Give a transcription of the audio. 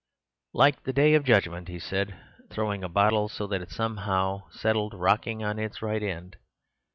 "Like the day of judgement," he said, throwing a bottle so that it somehow settled, rocking on its right end.